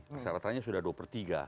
keseratan nya sudah dua per tiga